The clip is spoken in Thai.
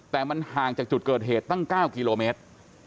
แต่มันห่างจากจุดเกิดเหตุตั้ง๙กิโลเมตร